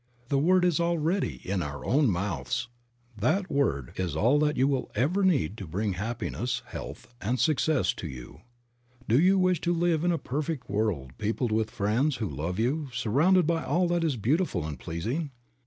'The word is already in our own mouths." That word is all that you will ever need to bring happiness, health and success to you. Do you wish to live in a perfect world peopled with friends who love you, surrounded by all that is beautiful and pleasing?